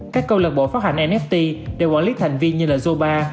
các câu lạc bộ phát hành nft đều quản lý thành viên như là zoba